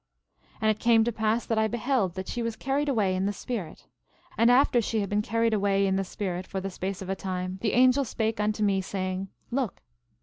11:19 And it came to pass that I beheld that she was carried away in the Spirit; and after she had been carried away in the Spirit for the space of a time the angel spake unto me, saying: Look!